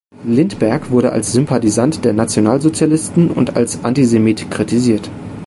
Lindbergh wurde als Sympathisant der Nationalsozialisten und als Antisemit kritisiert.